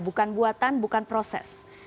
bukan buatan bukan proses